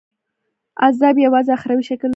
عذاب یوازي اُخروي شکل لري.